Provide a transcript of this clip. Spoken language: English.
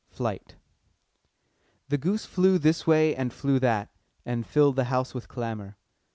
FLIGHT. "The goose flew this way and flew that, And filled the house with clamour."